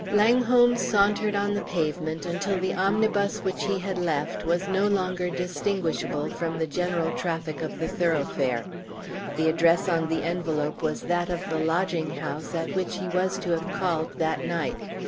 Langholm sauntered on the pavement until the omnibus which he had left was no longer distinguishable from the general traffic of the thoroughfare. The address on the envelope was that of the lodging house at which he was to have called that night.